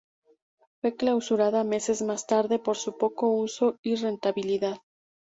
Fue clausurada meses más tarde por su poco uso y rentabilidad.